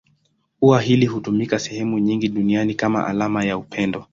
Ua hili hutumika sehemu nyingi duniani kama alama ya upendo.